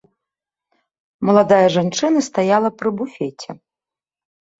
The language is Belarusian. Маладая жанчына стаяла пры буфеце.